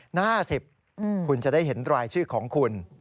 หน้า๑๐คุณจะได้เห็นรายชื่อของคุณ